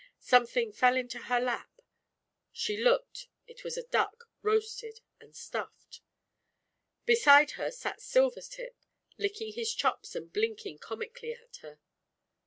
Something fell into her lap, she looked, it was a duck, roasted and stuffed. Beside her sat Silvertip, licking his chops and blink ing comically at her.